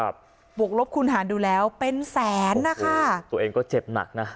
บวกลบคูณหารดูแล้วเป็นแสนนะคะตัวเองก็เจ็บหนักนะ